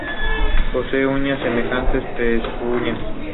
Posee uñas semejantes a pezuñas.